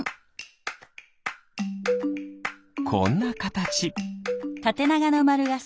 こんなかたち。